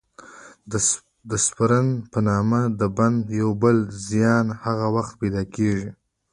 د سپرن په نامه د بند یو بل زیان هغه وخت پیدا کېږي.